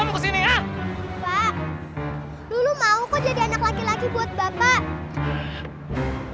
lo mau kok jadi anak laki laki buat bapak